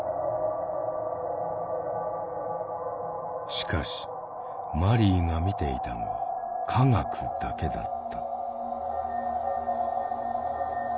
しかしマリーが見ていたのは「科学」だけだった。